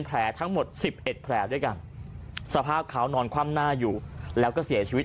แผลทั้งหมด๑๑แผลด้วยกันสภาพเขานอนคว่ำหน้าอยู่แล้วก็เสียชีวิต